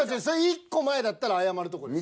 １個前だったら謝るとこです。